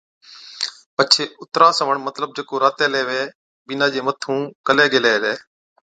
پڇي اُترا سَوَڻ مطلب جڪو راتي ليوي بِينڏا چي مَٿُون ڪَلي گيلي ھِلي